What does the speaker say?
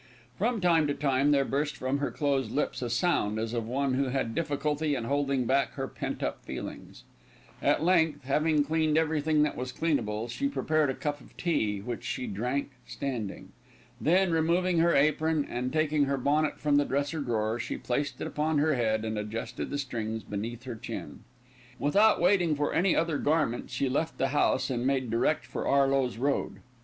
From time to time there burst from her closed lips a sound as of one who has difficulty in holding back her pent up feelings. At length, having cleaned everything that was cleanable, she prepared a cup of tea, which she drank standing. Then, removing her apron and taking her bonnet from the dresser drawer, she placed it upon her head and adjusted the strings beneath her chin. Without waiting for any other garment, she left the house and made direct for Arloes Road.